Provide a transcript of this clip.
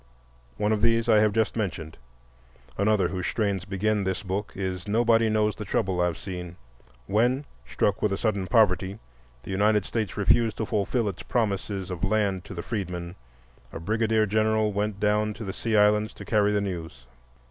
One of these I have just mentioned. Another whose strains begin this book is "Nobody knows the trouble I've seen." When, struck with a sudden poverty, the United States refused to fulfill its promises of land to the freedmen, a brigadier general went down to the Sea Islands to carry the news.